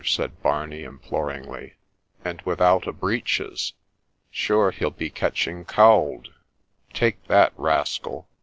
said Barney, imploringly ;' and without a breeches ?— sure he'll be catching cowld !'' Take that, rascal